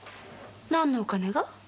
何のお金が？